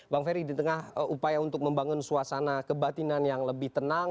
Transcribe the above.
bang ferry di tengah upaya untuk membangun suasana kebatinan yang lebih tenang